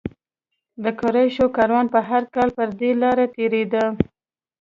د قریشو کاروان به هر کال پر دې لاره تېرېده.